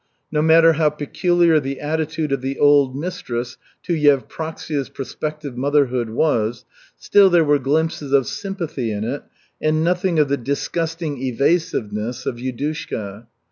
No matter how peculiar the attitude of the old mistress to Yevpraksia's prospective motherhood was, still there were glimpses of sympathy in it and nothing of the disgusting evasiveness of Yudushka.